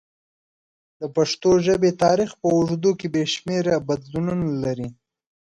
د پښتو ژبې تاریخ په اوږدو کې بې شمېره بدلونونه لري.